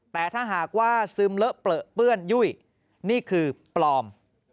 แต่ถ้าหากว่าซึมเลอะเปลือเปื้อนยุ่ยนี่คือปลอม